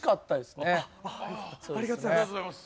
ありがとうございます。